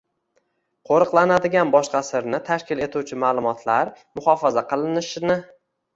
qo‘riqlanadigan boshqa sirni tashkil etuvchi ma’lumotlar muhofaza qilinishini